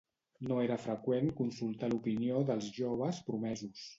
No era freqüent consultar l'opinió dels joves promesos.